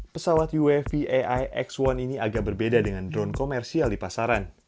pesawat uav ai x satu ini agak berbeda dengan drone komersial di pasaran